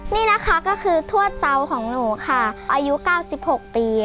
นี่นะคะก็คือทวดเซาของหนูค่ะอายุ๙๖ปี